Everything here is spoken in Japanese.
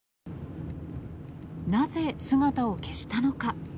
なぜ、姿を消したのか。